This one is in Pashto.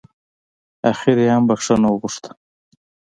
اخر يې هم بښنه وغوښته.